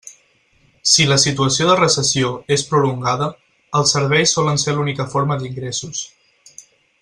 Si la situació de recessió és prolongada, els serveis solen ser l'única forma d'ingressos.